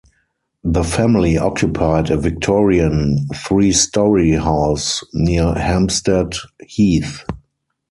The family occupied a Victorian three-storey house near Hampstead Heath.